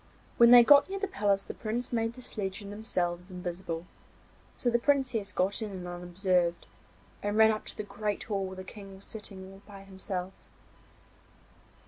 When they got near the palace the Prince made the sledge and themselves invisible, so the Princess got in unobserved, and ran up to the great hall where the King was sitting all by himself.